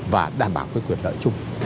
và đảm bảo cái quyền lợi chung